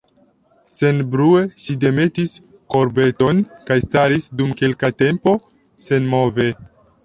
Senbrue ŝi demetis korbeton kaj staris, dum kelka tempo, senmove.